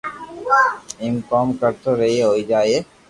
ايم ڪوم ڪرتو رھييي ھوئي جائي